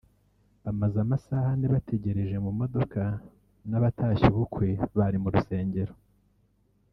bamaze amasaha ane bategereje mu modoka n’abatashye ubukwe bari mu rusengero